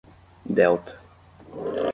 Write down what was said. Delta